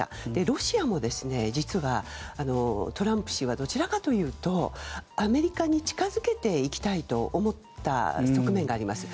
ロシアも実はトランプ氏はどちらかというとアメリカに近付けていきたいと思った側面があります。